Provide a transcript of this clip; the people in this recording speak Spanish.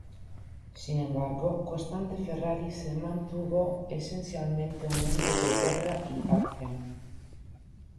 Sin embargo, Constante Ferrari se mantuvo esencialmente un hombre de guerra y acción.